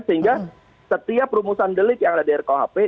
sehingga setiap rumusan delik yang ada di rkuhp